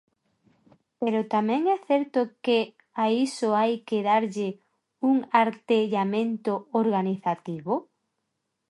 Pero tamén é certo que a iso hai que darlle un artellamento organizativo.